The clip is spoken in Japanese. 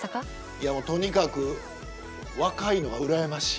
いやとにかく若いのが羨ましい。